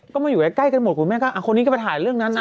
ก็มาอยู่ใกล้กันหมดคุณแม่ก็คนนี้ก็มาถ่ายเรื่องนั้นนะ